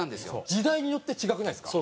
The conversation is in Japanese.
時代によって違くないですか？